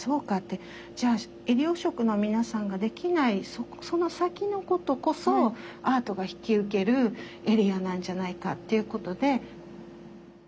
じゃあ医療職の皆さんができないその先のことこそアートが引き受けるエリアなんじゃないかっていうことで。